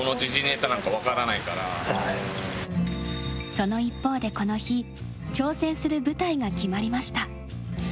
その一方で、この日挑戦する舞台が決まりました。